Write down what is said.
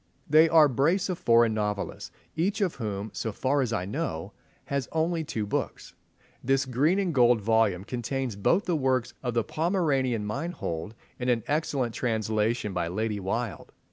They are a brace of foreign novelists, each of whom, so far as I know, has only two books. This green and gold volume contains both the works of the Pomeranian Meinhold in an excellent translation by Lady Wilde.